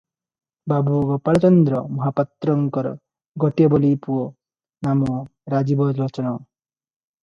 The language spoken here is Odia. ବାବୁ ଗୋପାଳଚନ୍ଦ ମହାପାତ୍ରଙ୍କର ଗୋଟିଏ ବୋଲି ପୁଅ, ନାମ ରାଜୀବଲୋଚନ ।